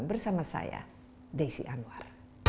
bersama saya desi anwar